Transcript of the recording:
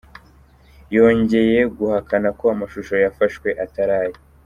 Yongeye guhakana ko amashusho yafashwe atari aye.